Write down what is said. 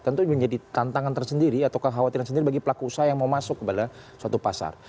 tentu menjadi tantangan tersendiri atau kekhawatiran sendiri bagi pelaku usaha yang mau masuk kepada suatu pasar